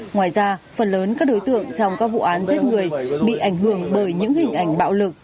ngoài ra phần lớn các đối tượng trong các vụ án giết người bị ảnh hưởng bởi những hình ảnh bạo lực